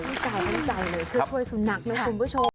กายน้ำใจเลยเพื่อช่วยสุนัขนะคุณผู้ชม